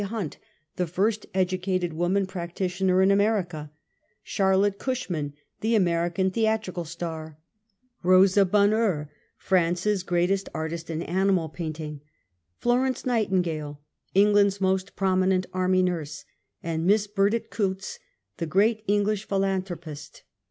Hunt, the first educated woman practitioner in America; Charlotte Cushman, the American theatrical star; Rosa Bonheur, France's greatest artist in animal painting ; Florence i^ight ingale, England's most prominent army nurse, and Miss Burdet Coots, the great English philanthropist.